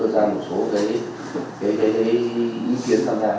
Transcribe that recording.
cái ý kiến tham gia